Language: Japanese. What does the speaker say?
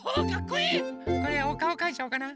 これおかおかいちゃおうかな？